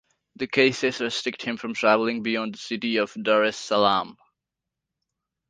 The cases restrict him from traveling beyond the city of Dar es Salaam.